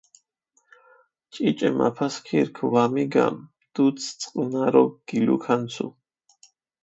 ჭიჭე მაფასქირქ ვამიგამჷ, დუდს წყჷნარო გილუქანცუ.